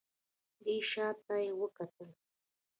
دی شا ته يې وکتل.